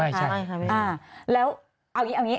ไม่ใช่